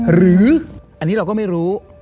หรืออันนี้เราก็ไม่รู้